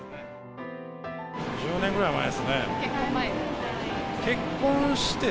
１０年ぐらい前ですね。